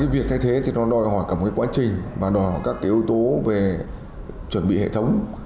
việc thay thế đòi hỏi cả một quá trình và đòi hỏi các ưu tố về chuẩn bị hệ thống